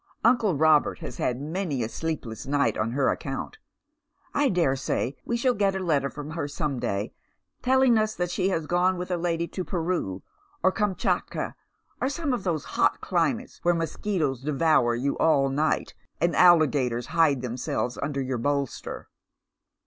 Uncle Robert has had many a sleepless night on her account. I dare say we shall get a letter from her some day, telling us that she has gone \vith a lady to Peru, or Kamstchatka, or some of those hot climates where mosquitoes devour you all night, and alligators hide themselves under your bolster."